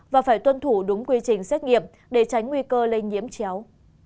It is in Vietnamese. và phải tuân thủ đúng quy trình xét nghiệm để tránh nguy cơ lây nhiễm chéo